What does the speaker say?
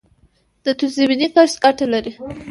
د توت زمینی کښت ګټه لري؟